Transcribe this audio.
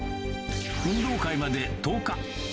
運動会まで１０日。